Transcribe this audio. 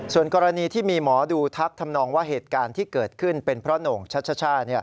ส่วนกรณีที่มีหมอดูทักทำนองว่าเหตุการณ์ที่เกิดขึ้นเป็นเพราะโหน่งชัชช่า